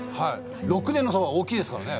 ６年の差は大きいですからね。